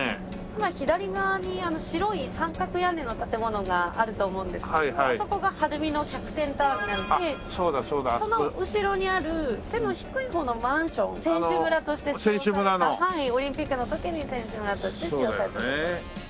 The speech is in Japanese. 今左側に白い三角屋根の建物があると思うんですけどもあそこが晴海の客船ターミナルでその後ろにある背の低い方のマンション選手村として使用されたオリンピックの時に選手村として使用された。